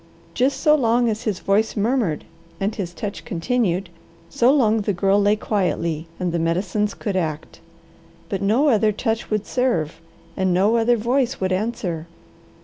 Just so long as his voice murmured and his touch continued, so long the Girl lay quietly, and the medicines could act. But no other touch would serve, and no other voice would answer.